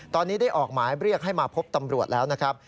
ตอนนี้ได้ออกหมายเรียกให้มาพบตำรวจแล้วนะครับ